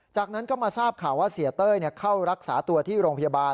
จากนั้นก็มาทราบข่าวว่าเสียเต้ยเข้ารักษาตัวที่โรงพยาบาล